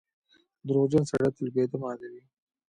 • دروغجن سړی تل بې اعتماده وي.